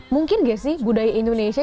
mungkin gak sih budaya indonesia